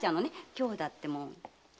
今日だってもう。